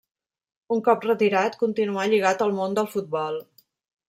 Un cop retirat continuà lligat al món del futbol.